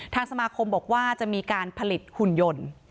ทางสมาคมบอกว่าจะมีการผลิตหุ่นยนต์